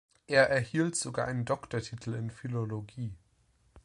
Er erhielt sogar einen Doktortitel in Philologie.